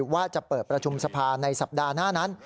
ว่าจะเปิดประชุมสภาในสัปดาห์หน้านั้น